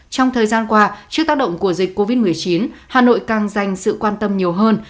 trong thời gian qua trước tác động của dịch covid một mươi chín hà nội càng dành sự quan tâm nhiều hơn